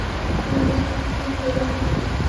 আমি দুঃখিত রাহুল।